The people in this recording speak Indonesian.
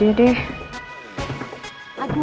semoga rizky baik baik aja deh